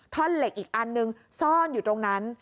ท่อนเหล็กอีกอันนึงซ่อนอยู่ตรงนั้น